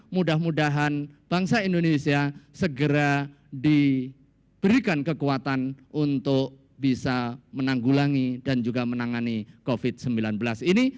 mudah mudahan bangsa indonesia segera diberikan kekuatan untuk bisa menanggulangi dan juga menangani covid sembilan belas ini